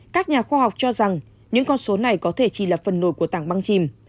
các nhà khoa học cho rằng những con số này có thể chỉ là phần nổi của tảng băng chìm